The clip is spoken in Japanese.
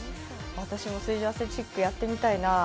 私も水上アスレチックやってみたいなあ。